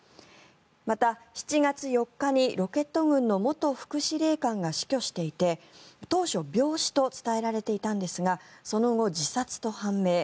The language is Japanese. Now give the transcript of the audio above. また、７月４日にロケット軍の元副司令官が死去していて当初、病死と伝えられていたんですがその後、自殺と判明。